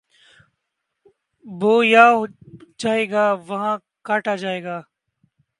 بویا جائے گا، وہاں کاٹا جائے گا۔